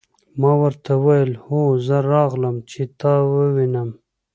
ما ورته وویل: هو زه راغلم، چې ته ووینم.